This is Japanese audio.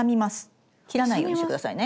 切らないようにして下さいね。